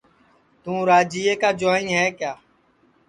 تُوں راجِئے کا جُوائیں ہے کِیا